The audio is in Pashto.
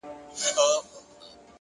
جرئت د پرمختګ پیل دی!